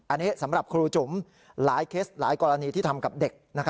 อันนี้สำหรับครูจุ๋มหลายเคสหลายกรณีที่ทำกับเด็ก